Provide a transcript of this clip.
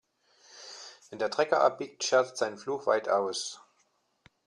Wenn der Trecker abbiegt, schert sein Pflug weit aus.